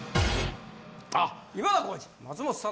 あっ！